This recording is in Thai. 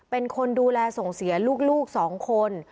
เป็นคนดูแลส่งเสียลูก๒คน